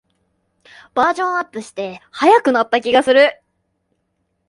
バージョンアップして速くなった気がする